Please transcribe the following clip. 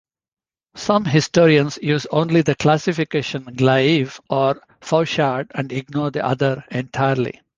Some historians use only the classification glaive or fauchard and ignore the other entirely.